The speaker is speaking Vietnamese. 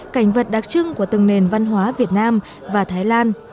cảnh vật đặc trưng của từng nền văn hóa việt nam và thái lan